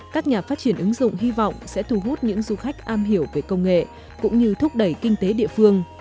các nhà phát triển ứng dụng hy vọng sẽ thu hút những du khách am hiểu về công nghệ cũng như thúc đẩy kinh tế địa phương